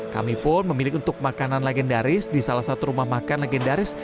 kami pun memilih untuk makanan legendaris di salah satu rumah makan legendaris